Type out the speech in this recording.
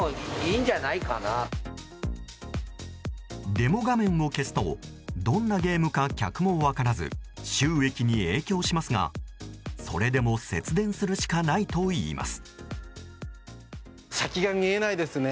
デモ画面を消すとどんなゲームか客も分からず収益に影響しますがそれでも節電するしかないといいます。